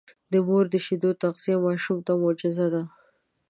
د مور د شیدو تغذیه ماشوم ته معجزه ده.